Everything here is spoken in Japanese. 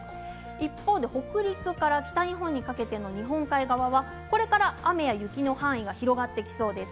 一方で北陸から北日本にかけての日本海側、これから雨や雪の範囲が広がってきそうです。